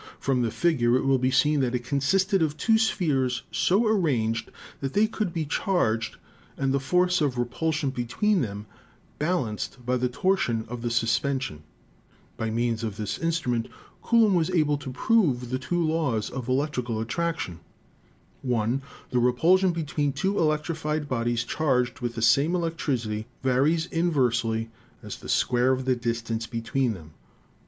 From the figure it will be seen that it consisted of two spheres so arranged that they could be charged and the force of repulsion be tween them balanced by the torsion of the suspension. By means of this instrument Coulomb was able to prove the two laws of electrical attraction: 1. The repulsion between two electrified bodies charged with the same electricity varies inversely as the square of the distance between them.